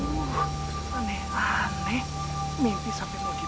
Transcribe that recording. aku menenghapinya karena kamu memberikan saya perhatian